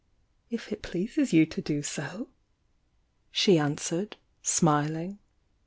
"It it pleases you to do so!" she answered, smiling.